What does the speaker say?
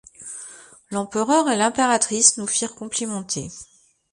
L'empereur et l'impératrice nous firent complimenter.